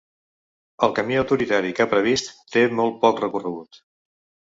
El camí autoritari que ha previst té molt poc recorregut.